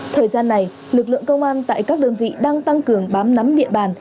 thời gian này lực lượng công an tại các đơn vị đang tăng cường bám nắm địa bàn